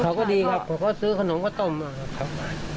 เขาก็ดีครับเขาก็ซื้อขนมข้าวต้มมาครับ